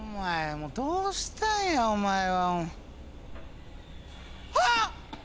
もうどうしたんやお前は。ああっ！